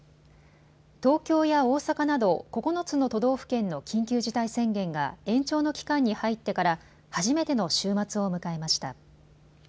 東京や大阪など９つの都道府県の緊急事態宣言が延長の期間に入ってから初めての週末を迎えました。